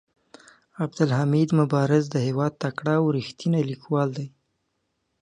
عبدالحمید مبارز د هيواد تکړه او ريښتيني ليکوال دي.